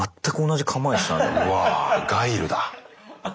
うわぁガイルだ。